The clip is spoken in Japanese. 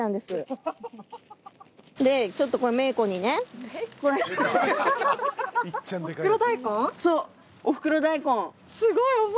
すごい。